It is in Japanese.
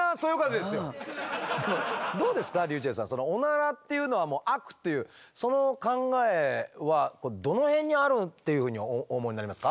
でもどうですかｒｙｕｃｈｅｌｌさんそのオナラっていうのは悪というその考えはどの辺にあるっていうふうにお思いになりますか？